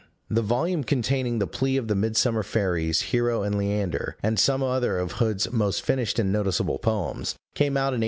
The volume containing the Plea of the Midsummer Fairies, Hero and Leander, and some other of Hood's most finished and noticeable poems, came out in 1827.